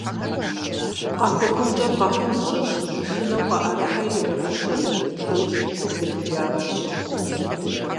КъахуэхъунщӀэр къахъунщӀэщ, маршынэу къаӀэрыхьэр ирахужьэри, лъэужьыншэу бзэхыжахэщ.